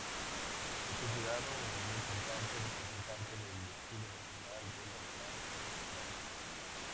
Es considerado un importante representante del "estilo emocional" del alemán pre-clásico.